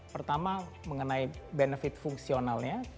pertama mengenai benefit fungsionalnya